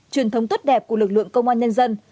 truyền thống tốt đẹp của lực lượng công an nhân dân